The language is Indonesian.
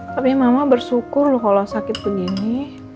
tapi mama bersyukur loh kalau sakit begini